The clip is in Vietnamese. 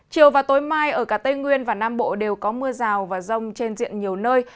chiều và tối mai ở cả tây nguyên và nam bộ đều có mưa rào và rông trên diện nhiều nơi